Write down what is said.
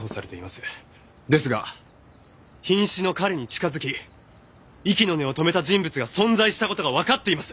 ですが瀕死の彼に近づき息の根を止めた人物が存在した事がわかっています。